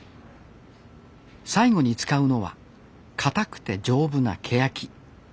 最後に使うのは硬くて丈夫なケヤキ。